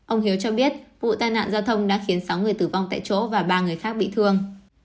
ông hiếu cho biết vụ tai nạn giao thông đã khiến sáu người tử vong tại chỗ và ba người khác bị thương